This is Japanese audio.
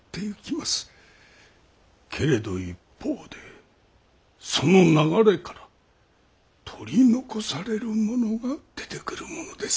けれど一方でその流れから取り残される者が出てくるものです。